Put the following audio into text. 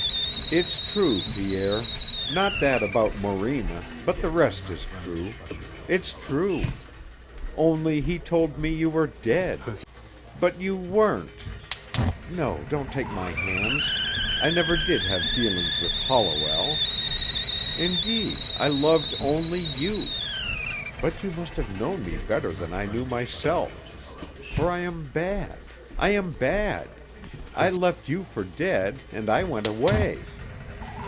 "It's true, Pierre; not that about Morena, but the rest is true. It's true. Only he told me you were dead. But you weren't no, don't take my hands, I never did have dealings with Holliwell. Indeed, I loved only you. But you must have known me better than I knew myself. For I am bad. I am bad. I left you for dead and I went away."